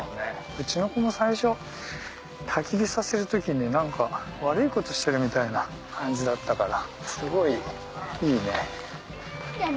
うちの子も最初たき火させる時に何か悪いことしてるみたいな感じだったからすごいいいね。